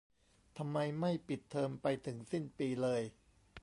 ทำไมไม่ปิดเทอมไปถึงสิ้นปีเลย